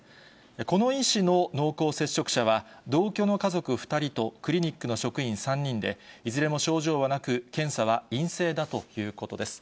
この医師の濃厚接触者は、同居の家族２人とクリニックの職員３人で、いずれも症状はなく、検査は陰性だということです。